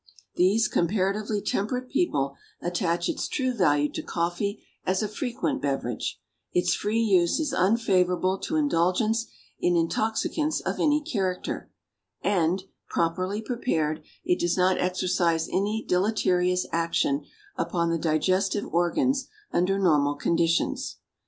These comparatively temperate people attach its true value to coffee as a frequent beverage; its free use is unfavorable to indulgence in intoxicants of any character, and, properly prepared, it does not exercise any deleterious action upon the digestive organs under normal conditions.